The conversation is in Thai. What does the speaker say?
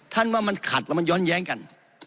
ว่ามันขัดแล้วมันย้อนแย้งกัน